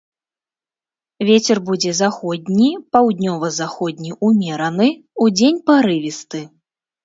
Вецер будзе заходні, паўднёва-заходні ўмераны, удзень парывісты.